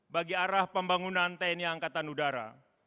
bagi arah pembangunan tni angkatan udara